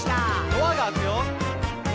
「ドアが開くよ」